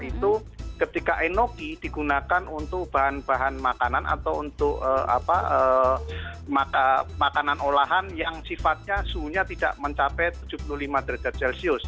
itu ketika enoki digunakan untuk bahan bahan makanan atau untuk makanan olahan yang sifatnya suhunya tidak mencapai tujuh puluh lima derajat celcius